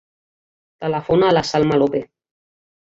Telefona a la Salma Lope.